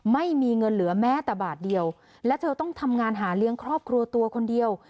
ไม่มีเงินเหลือแม้แต่บาทเดียวและเธอต้องทำงานหาเลี้ยงครอบครัวตัวคนเดียว